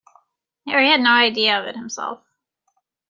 Harry had no idea of it himself.